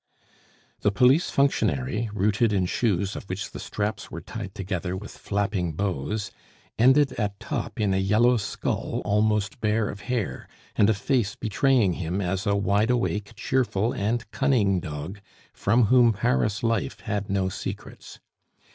The police functionary, rooted in shoes of which the straps were tied together with flapping bows, ended at top in a yellow skull almost bare of hair, and a face betraying him as a wide awake, cheerful, and cunning dog, from whom Paris life had no secrets.